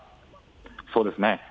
そうですね。